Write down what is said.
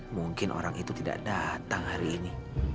mungkin orang itu tidak datang hari ini